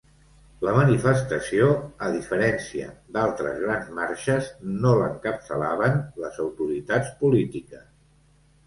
La manifestació, a diferència d’altres grans marxes, no l’encapçalaven les autoritats polítiques.